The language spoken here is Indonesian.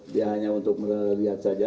dia hanya untuk melihat saja